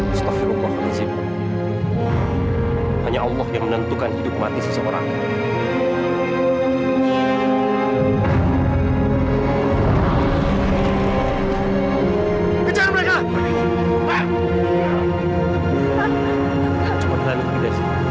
hanya allah yang menentukan hidup mati seseorang